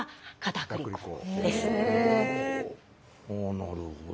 なるほど。